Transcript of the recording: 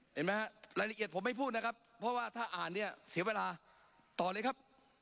เห็นไหมฮะรายละเอียดผมไม่พูดนะครับเพราะว่าถ้าอ่านเนี่ยเสียเวลาต่อเลยครับ